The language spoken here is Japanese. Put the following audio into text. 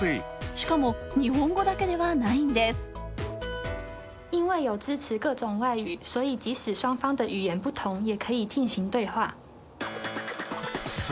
しかも、日本語だけではないんです。